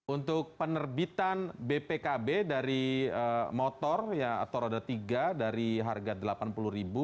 untuk penerbitan bpkb dari motor atau roda tiga dari harga rp delapan puluh